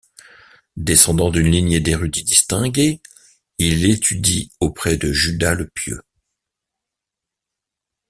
Descendant d’une lignée d’érudits distingués, il étudie auprès de Juda le Pieux.